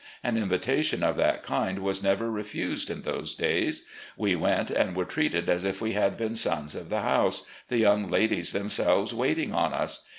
An invitation of that kind was never refused in those days. We went and were treated as if we had been sons of the house, the young ladies them selves waiting on us.